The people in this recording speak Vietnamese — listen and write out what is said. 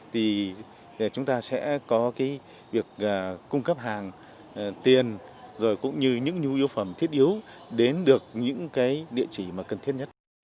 thì chúng ta sẽ có việc cung cấp hàng tiền cũng như những nhu yếu phẩm thiết yếu đến được những địa chỉ cần thiết nhất